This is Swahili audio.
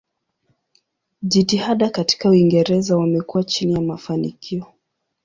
Jitihada katika Uingereza wamekuwa chini ya mafanikio.